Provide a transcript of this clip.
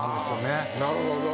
なるほど。